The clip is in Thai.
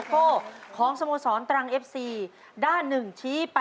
ผูกค่ะ